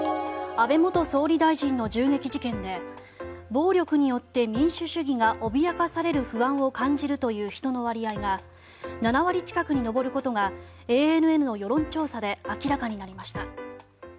安倍元総理大臣の銃撃事件で暴力によって民主主義が脅かされる不安を感じるという人の割合が７割近くに上ることがＡＮＮの世論調査で明らかになりました。